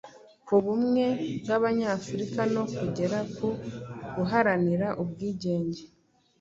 ku bumwe bw’Abanyafurika no kugera ku guharanira ubwigenge